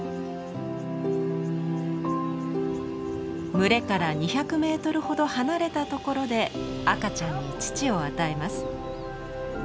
群れから２００メートルほど離れたところで赤ちゃんに乳を与えます。